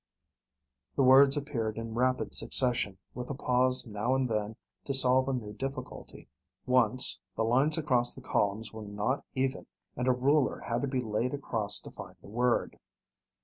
The words appeared in rapid succession, with a pause now and then to solve a new difficulty. Once, the lines across the columns were not even and a ruler had to be laid across to find the word.